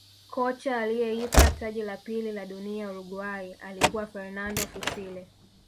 kocha aliyeipa taji la pili la dunia Uruguay alikuwa fernando fussile